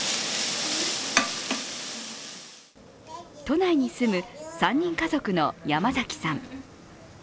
都内に住む３人家族の山崎さん。